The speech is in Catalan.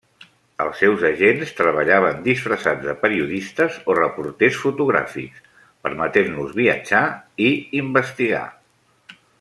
Els seus agents treballaven disfressats de periodistes o reporters fotogràfics, permetent-los viatjar i investigar.